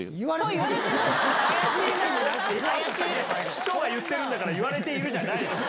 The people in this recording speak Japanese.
市長が言ってるんだから、言われているじゃないよ。